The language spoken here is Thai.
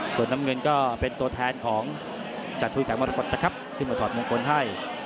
ส่วนน้ำเงินก็เป็นตัวแทนของจัดทุยแสงมรกฏนะครับขึ้นมาถอดมงคลให้